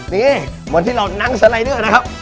นี่เหมือนที่เรานั่งสไลเดอร์นะครับ